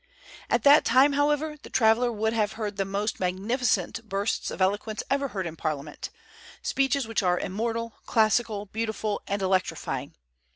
At that time, however, the traveller would have heard the most magnificent bursts of eloquence ever heard in Parliament, speeches which are immortal, classical, beautiful, and electrifying.